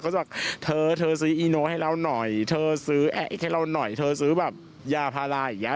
จะบอกเธอเธอซื้ออีโนให้เราหน่อยเธอซื้อให้เราหน่อยเธอซื้อแบบยาพาราอย่างเงี้